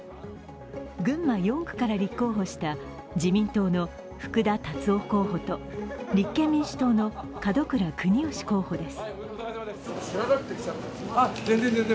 群馬４区から立候補した自民党の福田達夫候補と立憲民主党の角倉邦良候補です。